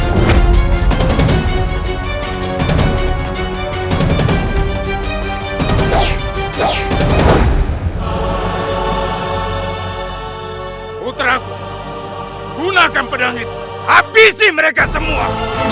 putraku gunakan pedang itu habisi mereka semua